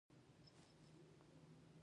په پیل کې دوی یوازې اصلاحات غوښتل.